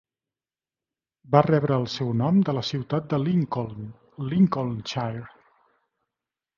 Va rebre el seu nom de la ciutat de Lincoln, Lincolnshire.